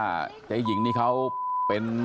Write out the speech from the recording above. ครอบครัวญาติพี่น้องเขาก็โกรธแค้นมาทำแผนนะฮะ